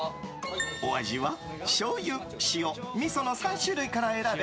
お味はしょうゆ、塩みその３種類から選べ